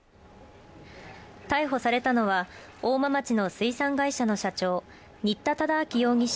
逮捕されたのは大間町の水産会社の社長新田忠明容疑者